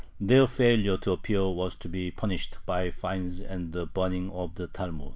Their failure to appear was to be punished by fines and the burning of the Talmud.